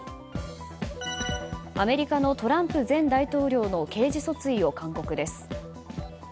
アメリカのトランプ前大統領の刑事訴追を勧告です。